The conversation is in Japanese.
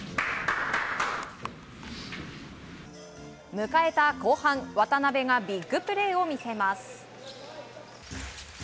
迎えた後半渡邊がビッグプレーを見せます。